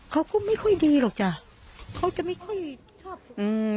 เขาก็ไม่ค่อยดีหรอกจ้ะเขาจะไม่ค่อยชอบสุข